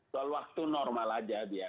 soal waktu normal aja biar